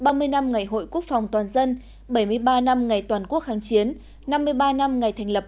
ba mươi năm ngày hội quốc phòng toàn dân bảy mươi ba năm ngày toàn quốc kháng chiến năm mươi ba năm ngày thành lập